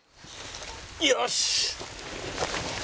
よし！